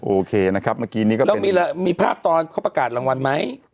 โอเคนะครับเมื่อกี้นี้ก็แล้วมีภาพตอนเขาประกาศรางวัลไหม